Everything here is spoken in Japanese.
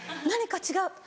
「何か違う！